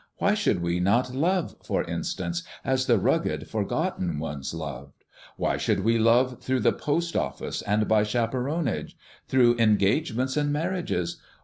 Why should we not love, for instance, as the rugged, forgotten ones loved? Why should we love through the post office and by chaperonage through engagements and marriages?